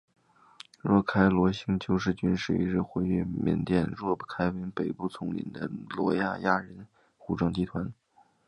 若开罗兴亚救世军是一支活跃于缅甸若开邦北部丛林的罗兴亚人武装集团。